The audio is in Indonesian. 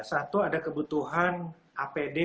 satu ada kebutuhan apd